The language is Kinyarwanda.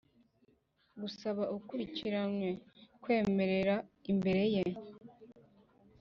gusaba ukurikiranywe kwemerera imbere ye